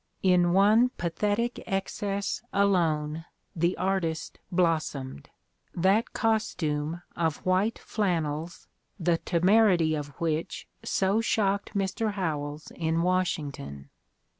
In one pathetic excess alone the artist blossomed: that costume of white flannels, the temerity of which so shocked Mr. Howells in Washington.